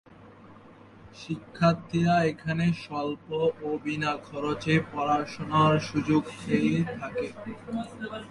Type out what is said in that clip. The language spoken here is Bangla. শিক্ষার্থীরা এখানে স্বল্প ও বিনা খরচে পড়াশোনার সুযোগ পেয়ে থাকে।